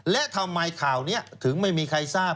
และทำไมข่าวนี้ถึงไม่มีใครทราบ